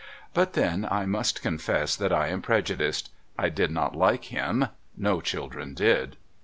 But then I must confess that I am prejudiced. I did not like him; no children did.